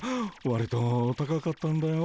わりと高かったんだよ。